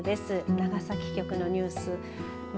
長崎局のニュース。